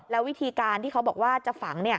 แล้ววิธีการที่เขาบอกว่าจะฝัง